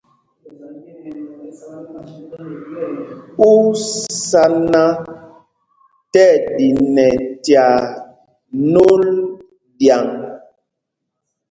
Ú sá ná tí ɛɗi nɛ tyaa nôl ɗyaŋ ?